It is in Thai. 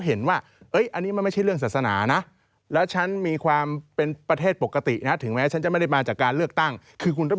เราต้องแสดงหลักฐานไปสู้กันด้วยหลักฐานไง